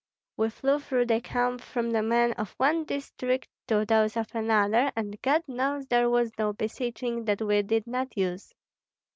We flew through the camp from the men of one district to those of another, and God knows there was no beseeching that we did not use.